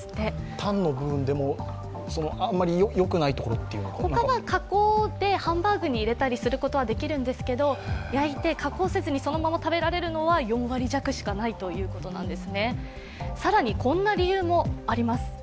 タンの部分でも、あまりよくないところというのかな？他は加工でハンバーグに入れたりすることはできるんですが焼いて加工せずにそのまま食べられるのは４割弱しかないということです。